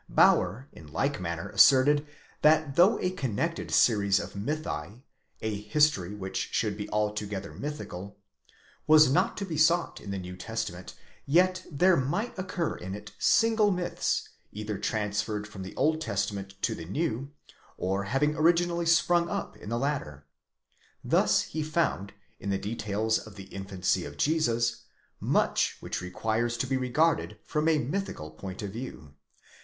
Bauer? in like 'manner asserted, that though a connected series of mythi,—a history which should be altogether mythical,—was not to be sought in the New Testament, 'yet there might occur in it single myths, either transferred from the Old 'Testament to the New, or having originally sprung up in the latter. Thus che found, in the details of the infancy of Jesus, much which requires to be wegarded from a mythical point of view.